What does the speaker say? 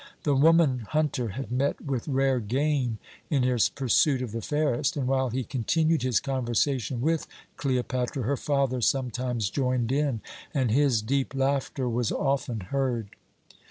The woman hunter had met with rare game in his pursuit of the fairest, and while he continued his conversation with Cleopatra her father sometimes joined in, and his deep laughter was often heard.